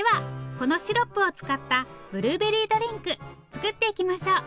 このシロップを使ったブルーベリードリンク作っていきましょう。